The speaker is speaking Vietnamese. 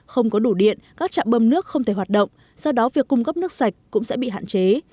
không có đủ điện các trạm bơm nước không thể hoạt động do đó việc cung cấp nước sạch cũng sẽ bị hạn chế